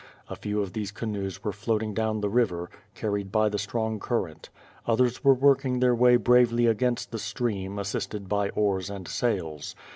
A few of these canoes were floating down the river, carried by the strong current; others were working their way bravely against the stream, assisted by oars and sails.